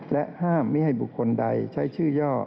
และห้ามไม่ให้บุคคลใดใช้ชื่อย่อ